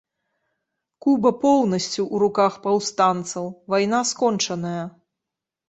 Куба поўнасцю ў руках паўстанцаў, вайна скончаная.